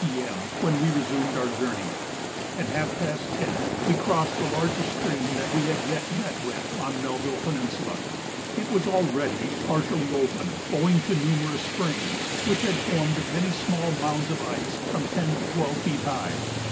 P.M. when we resumed our journey. At half past 10 we crossed the largest stream that we had yet met with on Melville Peninsula. It was already partially open, owing to numerous springs, which had formed many small mounds of ice from ten to twelve feet high.